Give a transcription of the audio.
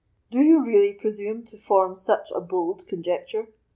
"Do you really presume to form such a bold conjecture?"